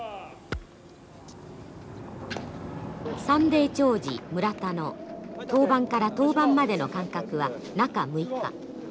サンデー兆治村田の登板から登板までの間隔は中６日。